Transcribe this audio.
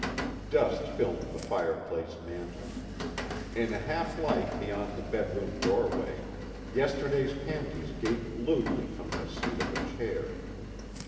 _ Dust filmed the fireplace mantel. In a half light beyond the bedroom doorway, yesterday's panties gaped lewdly from the seat of a chair.